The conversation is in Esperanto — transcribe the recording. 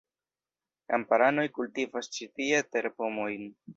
Kamparanoj kultivas ĉi tie terpomojn.